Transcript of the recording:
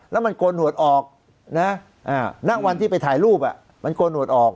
แล้วมันโกนหวดออกนะณวันที่ไปถ่ายรูปมันโกนหวดออก